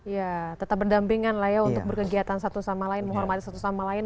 ya tetap berdampingan lah ya untuk berkegiatan satu sama lain menghormati satu sama lain